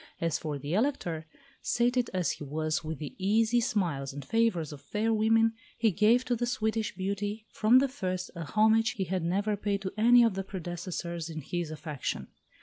As for the Elector, sated as he was with the easy smiles and favours of fair women, he gave to the Swedish beauty, from the first, a homage he had never paid to any of her predecessors in his affection.